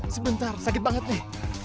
sebentar sakit banget nih